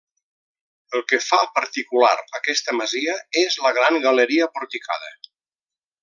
El que fa particular aquesta masia és la gran galeria porticada.